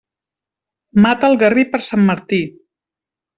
Mata el garrí per Sant Martí.